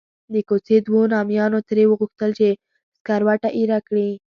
د کوڅې دوو نامیانو ترې وغوښتل چې سکروټه ایره کړي.